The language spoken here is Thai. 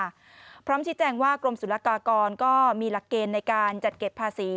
พร้อมชี้แจงว่ากรมศุลกากรก็มีหลักเกณฑ์ในการจัดเก็บภาษี